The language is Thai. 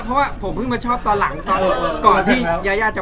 เพราะผมเผื่อจะแบบอย่างเบลอไม่สำเร็จ